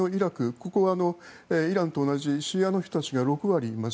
ここはイランと同じシーア派の人たちが６割います。